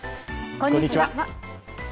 こんにちは。